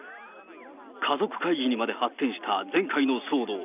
家族会議にまで発展した前回の騒動。